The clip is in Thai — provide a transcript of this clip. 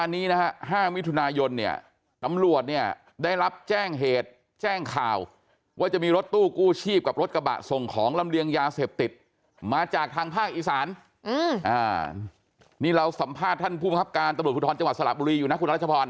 นี่เราสัมภาษณ์ท่านผู้มหับการตบุรุษพุทธรณ์จังหวัดสลับบุรีอยู่นะคุณรัชพร